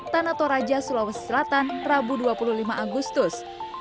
tanah toraja sulawesi selatan rabu dua puluh lima agustus